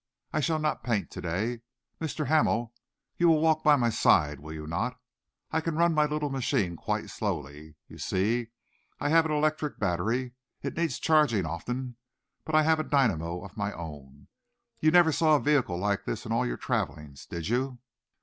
I shall not paint to day. Mr. Hamel, you will walk by my side, will you not? I can run my little machine quite slowly. You see, I have an electric battery. It needs charging often, but I have a dynamo of my own. You never saw a vehicle like this in all your travellings, did you?"